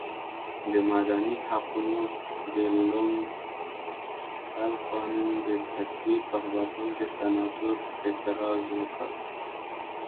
د مدني حقونو د لومړ قانون د تصویب په غبرګون کې سناتور اعتراض وکړ.